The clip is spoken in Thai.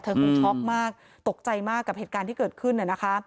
คงช็อกมากตกใจมากกับเหตุการณ์ที่เกิดขึ้น